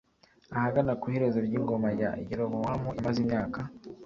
Ahagana ku iherezo ryingoma ya Yerobowamu yamaze imyaka